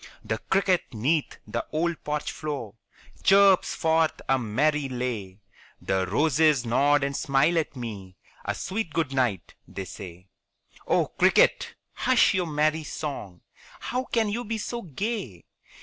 The cricket 'neath the old porch floor Chirps forth a merry lay; The roses nod and smile at me "A sweet good night," they say. Oh, cricket, hush your merry song; How can you be so gay?